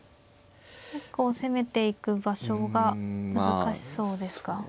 結構攻めていく場所が難しそうですか。